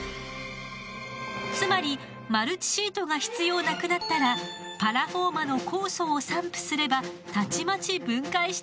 つまりマルチシートが必要なくなったらパラフォーマの酵素を散布すればたちまち分解してくれるってわけ。